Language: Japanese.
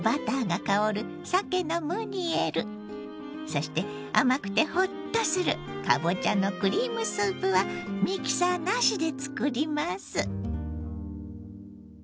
そして甘くてホッとするかぼちゃのクリームスープはミキサーなしで作ります！